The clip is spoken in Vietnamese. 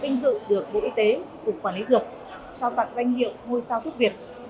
vinh dự được bộ y tế cục quản lý dược trao tặng danh hiệu ngôi sao thuốc việt